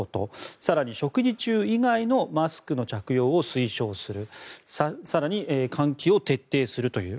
更に、食事中以外のマスクの着用を推奨する更に換気を徹底するという。